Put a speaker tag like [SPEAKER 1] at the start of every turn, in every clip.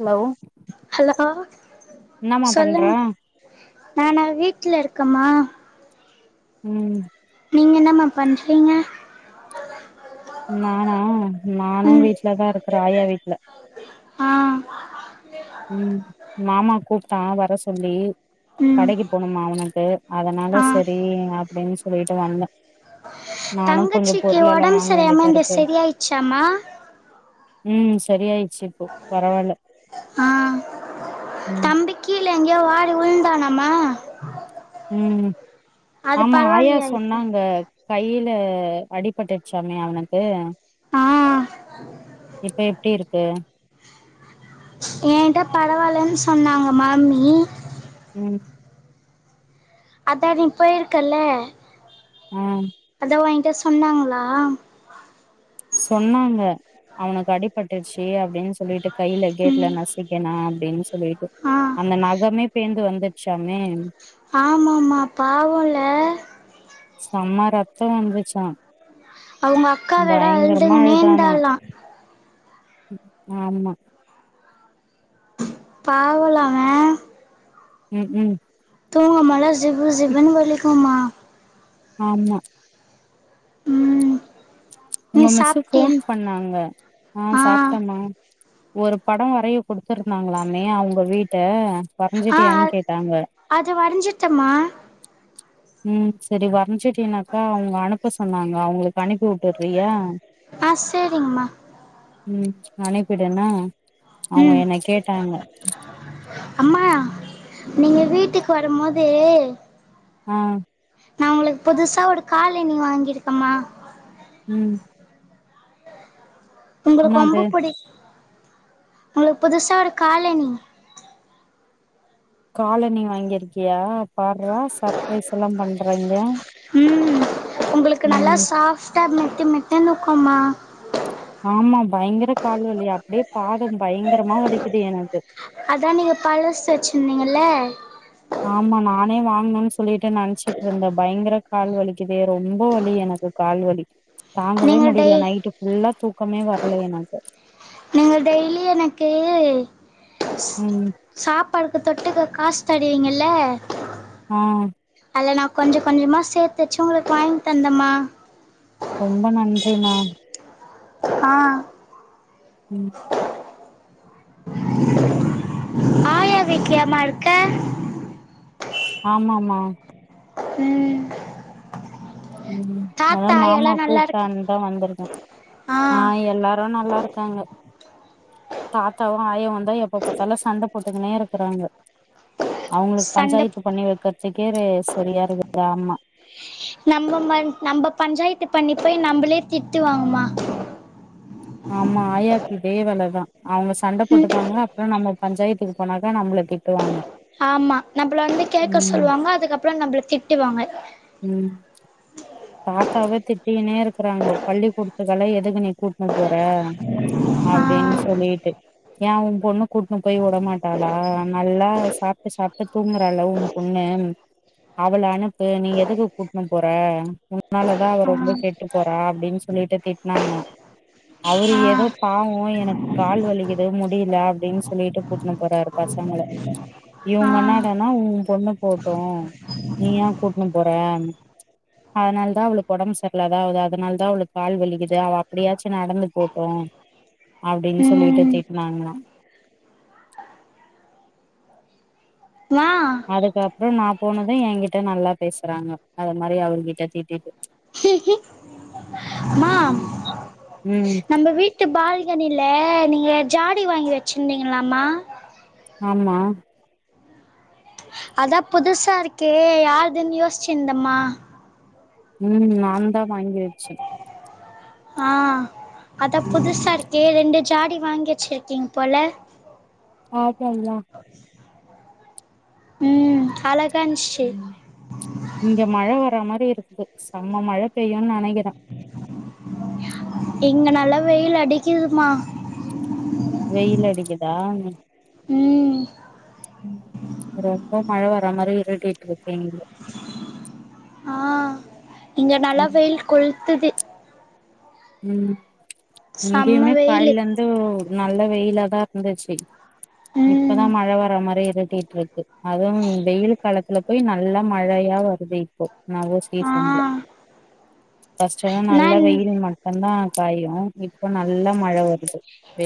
[SPEAKER 1] Hello
[SPEAKER 2] hello
[SPEAKER 1] என்னமா பண்ற
[SPEAKER 2] சொல்லுங் நானா வீ ட்ல இருக்கம்மா
[SPEAKER 1] ம்
[SPEAKER 2] நீங்க என்னமா பண்றீங்க?
[SPEAKER 1] நானா நானு
[SPEAKER 2] ம்
[SPEAKER 1] வீட்ல தா இரு க்குற ஆயா வீட்ல
[SPEAKER 2] ஆ
[SPEAKER 1] ம் மாமா கூப்டா வர சொல்லி
[SPEAKER 2] ம்
[SPEAKER 1] கடக்கி போனுமா அவனுக்கு அதனால
[SPEAKER 2] ஆ
[SPEAKER 1] சரி அப்டின் சொல்லிட்டு வந்தெ
[SPEAKER 2] தங்கச்சிக்கு ஒடம்பு சரியிளாம இருந்துச்சு சரியாயிச்சாமா
[SPEAKER 1] ம் சரி ஆயி ச்சிப்போ பரவால்ல
[SPEAKER 2] ஆ
[SPEAKER 1] ம்
[SPEAKER 2] தம்பிக்கு லே எங்கேயோ வாரி உழுந்தானாமா
[SPEAKER 1] ம் ஆமா ஆயா
[SPEAKER 2] இப்ப
[SPEAKER 1] சொன்னாங்க கை ல்ல அடிபட்டுருச்சாமே அவனுக்கு
[SPEAKER 2] ஆ
[SPEAKER 1] இப்ப எப்டி இருக் எ
[SPEAKER 2] என்ட்ட பரவால்ன்னு சொன்னாங்க மாமி
[SPEAKER 1] உம்
[SPEAKER 2] அதா நீ போயிருக்கல்ல
[SPEAKER 1] ஆ
[SPEAKER 2] அதா வாங் எது சொன்னாங்களா
[SPEAKER 1] சொன்னாங்க அவனுக்கு அடிபட்டுருச்சி அப்டின் சொல்லிட்டு கையில கேட்ல
[SPEAKER 2] ம்
[SPEAKER 1] நசிக்கிணா அப்டின்னு சொல்லிட்டு
[SPEAKER 2] ஆ
[SPEAKER 1] அந்த நகமே பேந்து வந்து ஷமே
[SPEAKER 2] ஆமாமா பாவம்ல
[SPEAKER 1] செம்ம ரத்தம் வந்துச்சா
[SPEAKER 2] அவங்க அக்கா வெட
[SPEAKER 1] பயங்கரமா
[SPEAKER 2] அழுதுங்குனே
[SPEAKER 1] அழுதானா
[SPEAKER 2] இருந்தாலா
[SPEAKER 1] ஆமா
[SPEAKER 2] பாவல அவெ
[SPEAKER 1] ம் ம்
[SPEAKER 2] தூங்க மொலஸ் ஜிவ்வு ஜிவனு வலிக்கும்மா
[SPEAKER 1] ஆமா
[SPEAKER 2] ம் நீ
[SPEAKER 1] உங்க மிஸு
[SPEAKER 2] சாப்ட்டியா
[SPEAKER 1] ஃபோன் பண்ணாங்க ஆஹ
[SPEAKER 2] ஆ
[SPEAKER 1] சாப்பிட்டமா ஒரு படோ வரைய குடுத்துருந்தாங்களாமே அவுங்க வீட்ட
[SPEAKER 2] ஆ
[SPEAKER 1] வரைஞ்சிட்டியான்னு கேட்டாங்க
[SPEAKER 2] அது வரஞ்சிட்டமா
[SPEAKER 1] உம் செரி வரஞ்ச்சுட் எனக்கா அவுங்க அனுப்ப சொன்னாங்க அவங்களுக்கு அனுப்பி வறியா
[SPEAKER 2] ஆ சேரிங்கம்மா
[SPEAKER 1] ம் அனிப்பிடுன்னா
[SPEAKER 2] ம் அம்மா நீங்க வீட்டுக்கு வரும் போது
[SPEAKER 1] ம்
[SPEAKER 2] நா உங்களுக் புதுசா ஒரு காலனி வாங்கிருக்கம்மா
[SPEAKER 1] ம்
[SPEAKER 2] உங்களுக்
[SPEAKER 1] என்னாது
[SPEAKER 2] ரொம்ப புடிக் உங்களுக் புதுசா ஒரு காலனி
[SPEAKER 1] காலனி வாங்கியிருக்கியா பார்ரா சர்ப்ரைஸ் எல்லாம் பண்றங்கே
[SPEAKER 2] ம் உங்களுக்கு நல்லா சாஃப் ட்ட மெத்து மெத்துன்னு இருக்கும்மா
[SPEAKER 1] ஆமா பயங்கர கால் வலி அப்படியே பாதம் பயங்கரமா வலிக்குது எனக்கு
[SPEAKER 2] அதா நீங்க பழசு வச்சிருந்தீங்கல்ல
[SPEAKER 1] ஆமா நானே வாங்கனன் ஸ் சொல்லிட்டு நன்ச்சிட்டு இருந்தேன் பயங்கர கால் வலிக்குதே ரொம்ப வலி எனக்கு கால்வலி தாங்கவே
[SPEAKER 2] நீங்க டெய்
[SPEAKER 1] முடியல நைட்டு ஃபுல்லா தூக்கமே வரல எனக்கு
[SPEAKER 2] ஸ்சு
[SPEAKER 1] ம்
[SPEAKER 2] சாப் பாடுக்கு தொட்டுக்க காசு தருவிங்கயள்ள
[SPEAKER 1] ம்
[SPEAKER 2] அதில நா கொஞ்ச கொஞ்சமா சேர்த்துச்சு உங்களுக்கு வாங்கி தந்தம்மா
[SPEAKER 1] ரொம்ப நன்றிம்மா
[SPEAKER 2] ஆ
[SPEAKER 1] ம்
[SPEAKER 2] ஆயா வீட்லயம்மா இருக்க
[SPEAKER 1] ஆமாம்மா
[SPEAKER 2] ம்
[SPEAKER 1] ம் ம்
[SPEAKER 2] தாத்தா
[SPEAKER 1] அதான் மாமா
[SPEAKER 2] ஆயாலா நல்லா இருக்கு
[SPEAKER 1] கூப்ட்டான் தா வந்துருக்கே ஆ எல்லாரு நல்லா இருக்காங்க தாத்தாவு ஆய்ய வந்த எப்ப பாத்தாலு சண்ட போட்டுக்கனே இருக்கறாங்க அவுங்களுக்கு
[SPEAKER 2] சண்ட
[SPEAKER 1] பஞ்சாயத்து பண்ணி வைக்கறதுக்கே ரேஸ் சரியா இருக்குது ஆமா
[SPEAKER 2] நம்ம ம நம்ப பஞ்சாயத்து பண்ணி போய் நம்பளே திட்டுவாங்மா
[SPEAKER 1] ஆமா ஆயாக்கு இதே வேல தா அவுங்க சண்ட
[SPEAKER 2] ம்
[SPEAKER 1] போட்டுப்பாங்க அப்புற நம்ப பஞ்சாயத்துக்கு போனாக்க நம்பளுக் திட்டுவாங்க
[SPEAKER 2] ஆம்மா நம்பள வந்து கேக்க
[SPEAKER 1] ம்
[SPEAKER 2] சொல்வாங்க அதுக்கப்புற நம்புளுக் திட் -ட்டுவாங்க
[SPEAKER 1] ம் தாத்தாவே திட்டினே இருக்கறாங்கோ பள்ளி்கூடத்துக்கள எதுக் நீ கூட்னு போற
[SPEAKER 2] ஆ
[SPEAKER 1] அப்டின்னு சொல்லிட்டு யேன் உ பொண்ணு கூட்னு போய் உடமாட்டாளா அ நல்லா சாப்ட்டு சாப்ட்டு தூங்கறால்ல உன் பொண்ணு அவள அனுப்பு நீ எதுக்கு கூட்னு போற உன்னாலதா அவ
[SPEAKER 2] ஆ
[SPEAKER 1] ரொம்ப கெட்டு போறா அப்டின்னு சொல்லிட்டு திட்னாங்களா அவரு
[SPEAKER 2] ஆ
[SPEAKER 1] எதோ பாவோ எனக்கு கால் வலிக்குது முடியல அப்டின்னு சொல்லிட்டு கூட்னு போறாரு பசங்கள
[SPEAKER 2] ஆ
[SPEAKER 1] இவங்க என்னாடான்னா உன் பொண்ணு போகுட்டு நீ யேன் கூட்னு போற அதனாலதா அவளுக்கு ஒடம்பு சரில்லாதா இது ஆகுது அதனாலதா அவளுக்கு கால் வலிக்குது அவ அப்பிடியாச்சு நடந்து போகுட்டு அப்டின்னு சொல்லிட்டு
[SPEAKER 2] ம்
[SPEAKER 1] திட்னாங்கலா
[SPEAKER 2] ம்மா
[SPEAKER 1] றோ நா போனது ஏன்கிட்ட நல்லா பேசுறாங்க அது மாரி அவர்கிட்ட திட்டிட்டு
[SPEAKER 2] [inaudible] அம்மா
[SPEAKER 1] ம் ம்
[SPEAKER 2] கனில நீங்க ஜாடி வாங்கி வச்சிருந்தீங்கல்லமா
[SPEAKER 1] ஆமா
[SPEAKER 2] அதா புதுசா இருக்கே யார்துன்னு யோஸ்ச்சிருந்தேம்மா.
[SPEAKER 1] ம் நாந்தா வாங்கி வச்சே
[SPEAKER 2] ஆ அதா
[SPEAKER 1] ம்
[SPEAKER 2] புதுசா இருக்கே ரெண்டு ஜாடி வாங்கி வெச்சுருக்கீங் போல
[SPEAKER 1] ஓகேங்ளா
[SPEAKER 2] ம் அதுல
[SPEAKER 1] ம் இங்க மழ வர மாரி இருக்குது செம மழ பெய்யுன்னு நெனைக்கிற
[SPEAKER 2] இங்க நல்லா வெயிலு அடிக்குதும்மா
[SPEAKER 1] ஆ
[SPEAKER 2] ம்
[SPEAKER 1] ம் ரொம்ப மழ வர மாரி இருட்டிட்டு இருக்கு இங்க
[SPEAKER 2] ஆ இங்க நல்லா
[SPEAKER 1] ம்
[SPEAKER 2] வெயில் கொளுத்துது.
[SPEAKER 1] ம்
[SPEAKER 2] செம்ம
[SPEAKER 1] இங்கயுமே
[SPEAKER 2] வெயில்
[SPEAKER 1] காலைல இருந்து நல்ல வெயிலாதா இருந்திச்சி இப்பதா
[SPEAKER 2] ம்
[SPEAKER 1] மழ வர மாரி இரு ட்டிட்ருக்கு அதுவு வெயில் காலத்துல போய் நல்லா மழையா வருது இப்போ நல்ல
[SPEAKER 2] ஆ
[SPEAKER 1] சீசன்ல ஃபஸ்ட் எல்லா நல்ல
[SPEAKER 2] நான்
[SPEAKER 1] வெயில் ம அப்பறந்தா பெய்யு இ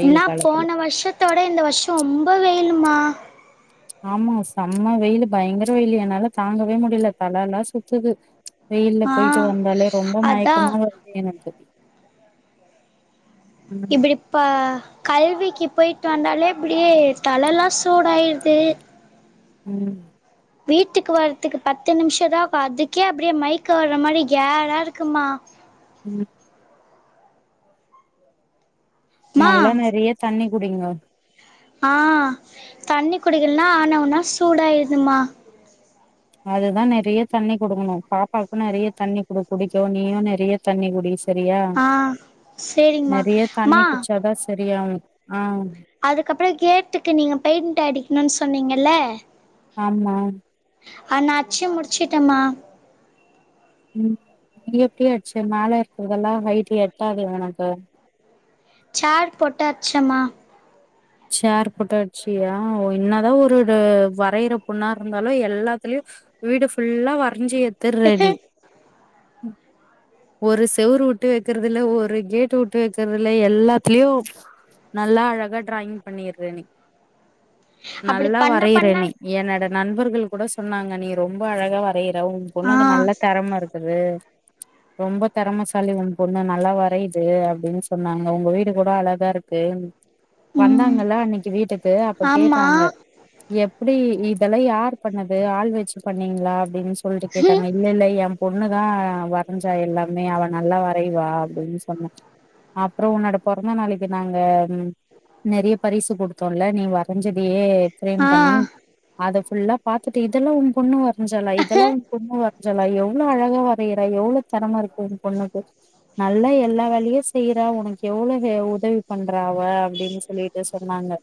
[SPEAKER 2] இன்னா
[SPEAKER 1] காலத்துல
[SPEAKER 2] போன வர்ஷத்த விட இந்த வர்ஷோ ரொம்ப வெ யில்மா
[SPEAKER 1] ஆமா செம்ம வெயிலு பயங்கர வெயிலு என்னால தாங்கவே முடியல தல எல்லா சுத்துது. வெயில்ல போயிட்டு
[SPEAKER 2] ஆ
[SPEAKER 1] வந்தாலே ரொம்ப
[SPEAKER 2] அதா
[SPEAKER 1] மயக்கமா வருது எனக்கு. ம்
[SPEAKER 2] இப்டிப்ப கல்வி கிப் போயிட்டு வந்தாலே இப்டியே தலல்லா சூடாயிருது
[SPEAKER 1] ம்
[SPEAKER 2] வீட்டுக்கு வர்துக்கு பத்து நிம்ஷோதா அதுக்கே அப்டியே மைக்கோ வர்ற மாரி கேரா இருக்குமா
[SPEAKER 1] ம்
[SPEAKER 2] மா
[SPEAKER 1] நல்லா நெறைய தண்ணி குடிங்க
[SPEAKER 2] ஆ தண்ணி குடிகள்னா ஆனாவூனா சூடாயிருதுமா
[SPEAKER 1] அதுதா நெறைய தண்ணி குடிக்கணு பாப்பாக்கு நெறைய தண்ணி குடு குடிக்க நீயு நெறைய தண்ணி குடிஸ் செரியா
[SPEAKER 2] ஆ சேரிங்மா
[SPEAKER 1] நெறைய தண்ணி குச்சாதா செரியாகு ஆம்
[SPEAKER 2] அதுக்கப்புறோ கேட்டுக்கு நீங்க பெயின்ட் அடிக்கணுன் சொன்னீங்கல்ல
[SPEAKER 1] ஆமா
[SPEAKER 2] ஆனா அச்சு முடுச்சிட்டம்மா
[SPEAKER 1] ம் நீயு எப்டியாச்சு மேல இருக்குறதெல்லா ஹயிட் எட்டாது உனக்கு
[SPEAKER 2] ச்சேர் போட்டாச்சம்மா
[SPEAKER 1] ச்சேர் போட்டாட்சியா என்னாதா ஒரு வரையற பொண்ணா இருந்தாலு எல்லாத்துலயு வீடு ஃபுல்லா வரஞ்சி த்து ரெடி ம் ஒரு செவுரு உட்டு வெக்கறதுல்ல ஒரு கேட்டு உட்டு வெக்கறதுல்ல எல்லாத்துலியு நல்லா அழகா டிராயிங் பண்ணிற நீ
[SPEAKER 2] அப்டி
[SPEAKER 1] நல்லா
[SPEAKER 2] பண்ண
[SPEAKER 1] வரையற
[SPEAKER 2] பண்ண
[SPEAKER 1] நீ என்னட நண்பர்கள் கூட சொன்னாங்க நீ ரொம்ப அழகா வரையர் ர உம்
[SPEAKER 2] ஆ
[SPEAKER 1] பொண்ணுக்கு நல்ல தெறம இருக்குது ரொம்ப தெரமசாலி உன் பொண்ணு நல்லா வரையுது அப்டின்னு சொன்னாங்க உங்க வீடு கூட அழகா இருக்கு
[SPEAKER 2] ம்
[SPEAKER 1] வந்தாங்கல்ல அன்னிக்கு வீட்டுக்கு அப்ப
[SPEAKER 2] ஆமா
[SPEAKER 1] கேட்டாங்க எப்டி இத் இதெல்லா யார் பண்ணது ஆள் வெச்சு பண்ணீங்களா அப்டின்ஸ் சொல்ட்டு கேட்டாங்க இல்ல இல்ல எம் பொண்ணுதா வர் கொஞ்சா எல்லாமே அவ நல்லா வ வரைவா அப்டின் சொன்ன அப்பறோ உன்னோட பொறந்த நாளைக்கு நாங்க நெறைய பரிசு குடுத்தோல்ல நீங் வரஞ்சதையே ஃப்ரேம்
[SPEAKER 2] ஆ
[SPEAKER 1] பண்ணி அத ஃபுல்லா பாத்துட்டு இதெல்லா உம் பொண்ணு வர் வரஞ்சாலா இதெல்லா உம் பொண்ணு வரஞ்சாலா ஐயோ அவ்ளோ அழகா வரையிறா எவ்ளோ தரமா இருக்கு உன் பொண்ணுக்கு நல்லா எல்லா வேலையு செய்யற உனக்கு எவ்வளவு உதவி பண்றா அவ அப்டின் சொல்லிட்டு சொன்னாங்க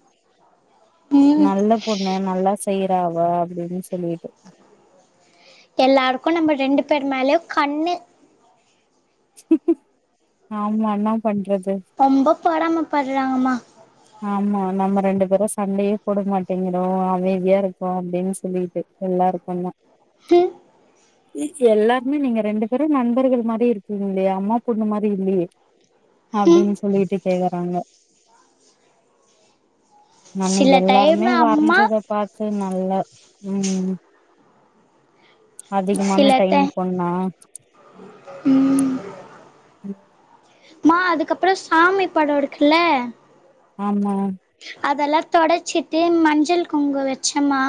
[SPEAKER 2] ம்
[SPEAKER 1] நல்ல பொண்ணு நல்லா செய்யறா அவ அப்டின்னு சொல்லிட்டு
[SPEAKER 2] எல்லாருக்கு நம்ம ரெண்டு பேர் மேலயு கண்ணு
[SPEAKER 1] ம்க்ம் ஆமா என்னா பண்
[SPEAKER 2] ரொம்பப் பொராம படுறாங்கம்மா
[SPEAKER 1] ஆமா நம்ம ரெண்டு பேரு சண்டேயே போட மாட்டேங்கிறோ அமைதியா இருக்கோ அப்டின்னு சொல்லிட்டு எல்லாருக்கு தா
[SPEAKER 2] ம்
[SPEAKER 1] எல்லாருமே நீங்க ரெண்டு பேரு நண்பர்கள் மாரி இரு இல்லயே அம்மா பொண்ணு மாரி இல்லயே அப்டின்னு சொல்லிட்டு கேக்குறாங்க நானு
[SPEAKER 2] சில
[SPEAKER 1] எல்லாருமே
[SPEAKER 2] டைம்ல அம்மா
[SPEAKER 1] வரஞ்சத பாத்து நல்ல உம் அதிகமான
[SPEAKER 2] சில
[SPEAKER 1] டைம்
[SPEAKER 2] டை
[SPEAKER 1] பொண்ணா
[SPEAKER 2] ம்
[SPEAKER 1] ம்
[SPEAKER 2] மா அதுக்கப்புற சாமி பட இருக்குல
[SPEAKER 1] ஆமா
[SPEAKER 2] அதெல்லா தொடச்சிட்டு மஞ்சள் குங்கு வச்ச மா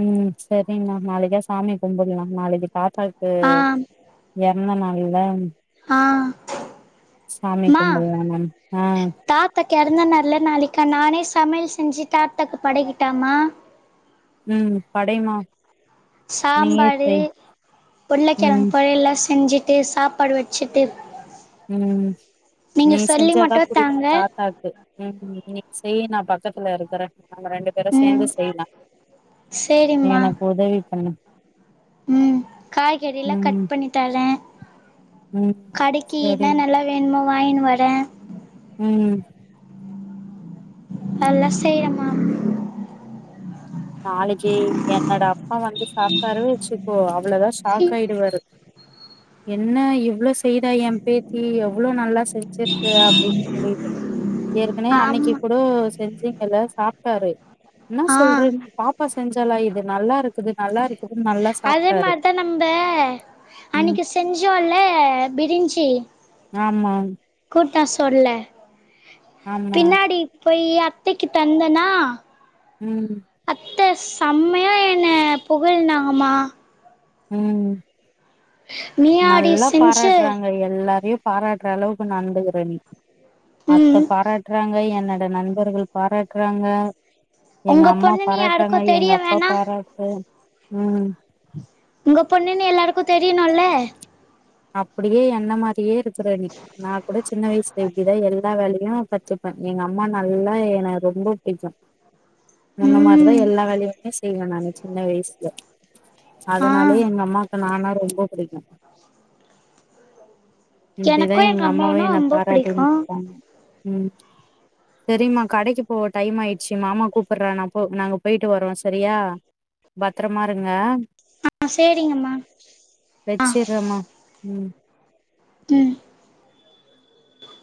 [SPEAKER 1] உம் சரிங்ண்ணா நாளைக்கு எதா சாமி கும்டலா நாளைக்கு தாத்தாக்கு
[SPEAKER 2] ஆ
[SPEAKER 1] இன்ன நல்லா
[SPEAKER 2] ஆ மா
[SPEAKER 1] கும்பிடலா மேம் ஆ
[SPEAKER 2] தாத்தக்கு இறந்த நாள்ல நாளைக்கு இப்ப நானே சமயல் செஞ்சு தாத்தாக்கு படைக்கட்டமா
[SPEAKER 1] உம் படைமா நீயே
[SPEAKER 2] சாம்பாரு
[SPEAKER 1] செய் ம்
[SPEAKER 2] உருளக்கிழங்கு பொரியலா செஞ்சுட்டு சாப்பாடு வச்சுட்டு
[SPEAKER 1] உம்
[SPEAKER 2] நீங்க
[SPEAKER 1] நீ
[SPEAKER 2] சொல்லி
[SPEAKER 1] செஞ்சாதா
[SPEAKER 2] மட்டு
[SPEAKER 1] புடிக்கு
[SPEAKER 2] தாங்க
[SPEAKER 1] தாத்தாக்கு உம் நீ செய் நா பக்கத்ல இருக்குரே நாம ரெண்டு பேரு
[SPEAKER 2] ம்
[SPEAKER 1] சேர்ந்து செய்யலா நீ எனக்கு உதவி பண்ணு
[SPEAKER 2] உம் காய்கறிலா
[SPEAKER 1] ம்
[SPEAKER 2] கட் பண்ணி தரே
[SPEAKER 1] ம்
[SPEAKER 2] கடைக்குனா
[SPEAKER 1] சரிம்மா
[SPEAKER 2] என்னலா வேணுமோ வாயினு வரே
[SPEAKER 1] உம்
[SPEAKER 2] அதல்லா செய்றமா
[SPEAKER 1] நாளைக்கு என்னோட அப்பா வந்து சாப்ட்டாருனு வெச்சுக்கோ அவ்ளோதா ஷாக் ஆயிடுவாரு என்ன இவ்ளோ செய்றா ஏ பேத்தி எவ்ளோ நல்லா செஞ்சிருக்கு அப்டின்னு சொல்லிட்டு ஏற்கனவே அன்னைக்கு
[SPEAKER 2] ஆமா
[SPEAKER 1] கூட செஞ்சு எல்லா சாப்டாரு என்னா
[SPEAKER 2] ஆ
[SPEAKER 1] சொல்ற பாப்பா செஞ்சாலா இது நல்லா இருக்குது நல்லா இருக்கு
[SPEAKER 2] அதே மாரிதா நம்ப
[SPEAKER 1] ம்
[SPEAKER 2] அன்னைக்கு செஞ்சோல பிரிஞ்சி
[SPEAKER 1] ஆமா
[SPEAKER 2] கூட்டா சொல்ல
[SPEAKER 1] ஆமா
[SPEAKER 2] பின்னாடி போயி அத்தைக்கு தந்தனா
[SPEAKER 1] ம்
[SPEAKER 2] அத்த செம்மையா என்னய புகழ்தாங்கமா
[SPEAKER 1] ம்
[SPEAKER 2] நீயாடி
[SPEAKER 1] நல்லா
[SPEAKER 2] செஞ்ச
[SPEAKER 1] பாராட்றாங்க எல்லாரையு பாராட்ற அளவுக்கு நந்துக்குற நீ அத்த
[SPEAKER 2] ம்
[SPEAKER 1] பாராட்றாங்க என் என்னோட நண்பர்கள் பாராட்றாங்க எங்க
[SPEAKER 2] உங்க
[SPEAKER 1] அம்மா
[SPEAKER 2] பொண்ணுன்னு
[SPEAKER 1] பாராட்றாங்க
[SPEAKER 2] யாருக்கு
[SPEAKER 1] எங்க
[SPEAKER 2] தெரிய
[SPEAKER 1] அப்பா
[SPEAKER 2] வேணா
[SPEAKER 1] பாராட்டு ம்
[SPEAKER 2] உங்க பொண்ணுன்னு எல்லாருக்கு தெரியிணுல்ல
[SPEAKER 1] அப்டியே என்ன மாரியே இருக் த்துற நீ நா கூட சின்ன வயிசுல இப்டிதா எல்லா வேலையு கத்துப்ப எங்க அம்மா நல்லா என ரொம்ப பிடிக்கு உன்ன மாரிதா
[SPEAKER 2] ம்
[SPEAKER 1] எல்லா வேலையுமே செய்வ நானு சின்ன வயிசுல
[SPEAKER 2] ஆ
[SPEAKER 1] அதனாலயே எங்க அம்மாவுக்கு நானா ரொம்ப பிடிக்கு இப்டிதா
[SPEAKER 2] எனக்கு
[SPEAKER 1] எங்க அம்மாவு
[SPEAKER 2] அம்மாவுனா
[SPEAKER 1] என்ன
[SPEAKER 2] ரொம்ப புடிக்கு
[SPEAKER 1] பாராட்டின் இருப்பாங்க ம் சேரிம்மா கடைக்கு போவோ டைம் ஆயிடுச்சு மாமா கூப்புறான்னா இப்போ நாங்க போயிட்டு வர்றோ செரியா பத்ரமா இருங்க
[SPEAKER 2] ஆ சேரிங்கம்மா ஆ
[SPEAKER 1] வச்சிட்றேம்மா ம்
[SPEAKER 2] ம்